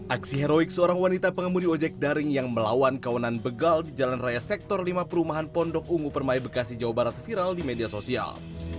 aksi heroik seorang wanita pengemudi ojek daring yang melawan kawanan begal di jalan raya sektor lima perumahan pondok ungu permai bekasi jawa barat viral di media sosial